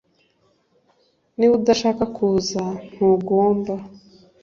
Niba udashaka kuza ntugomba